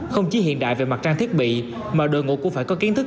không chỉ hiện đại về mặt trang thiết bị mà đội ngũ cũng phải có kiến thức